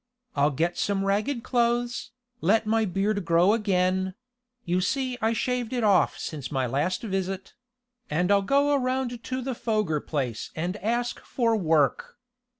I'll get some ragged clothes, let my beard grow again you see I shaved it off since my last visit and I'll go around to the Foger place and ask for work.